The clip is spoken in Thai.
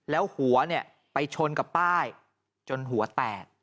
แล้วหัวไปชนกับป้ายจนหัวแตก